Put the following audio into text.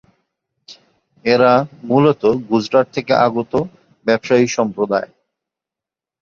এরা মূলত গুজরাট থেকে আগত ব্যবসায়ী সম্প্রদায়।